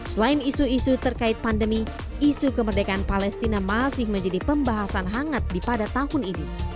selain isu isu terkait pandemi isu kemerdekaan palestina masih menjadi pembahasan hangat di pada tahun ini